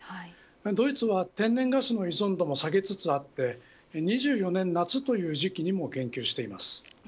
ドイツが天然ガスの依存度も下げつつあって２４年夏という時期にも言及しています。